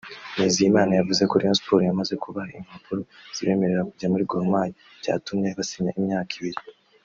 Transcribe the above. Nizigiyimana yavuze ko Rayon Sports yamaze kubaha impapuro zibemerera kujya muri Gor Mahia byatumye basinya imyaka ibiri